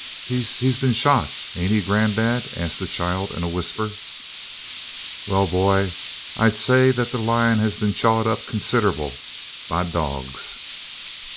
"He he's been shot, ain't he, granddad?" asked the child in a whisper. "Well, boy, I'd say that the lion had been chawed up considerable by dogs."